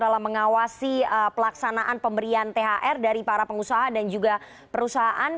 dalam mengawasi pelaksanaan pemberian thr dari para pengusaha dan juga perusahaan